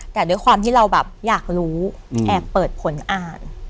แต่ด้วยความที่เราแบบอยากรู้แอบเปิดผลอ่าน